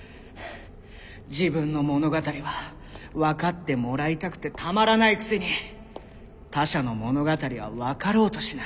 自分の物語は分かってもらいたくてたまらないくせに他者の物語は分かろうとしない。